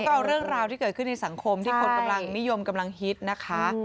ก็เอาเรื่องราวที่เกิดขึ้นในสังคมที่คนกำลังนิยมกำลังฮิตนะคะ